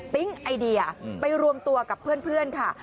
ไอเดียไปรวมตัวกับเพื่อนค่ะ